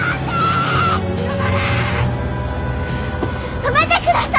止めてください！